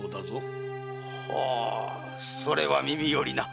ほうそれは耳寄りな。